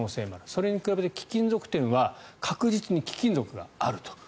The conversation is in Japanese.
それに比べて貴金属店は確実に貴金属があると。